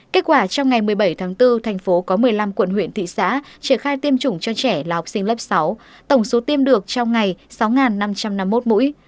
kết quả trong ngày một mươi bảy tháng bốn thành phố có một mươi năm quận huyện thị xã triển khai tiêm chủng cho trẻ là học sinh lớp sáu tổng số tiêm được trong ngày sáu năm trăm năm mươi một mũi